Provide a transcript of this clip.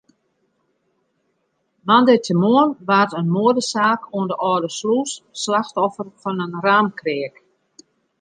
Moandeitemoarn waard in moadesaak oan de Alde Slûs slachtoffer fan in raamkreak.